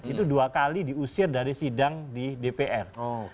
itu dua kali diusir dari sidang di dpr